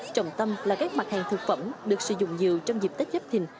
trọng tâm là các mặt hàng thực phẩm được sử dụng nhiều trong dịp tết giáp thình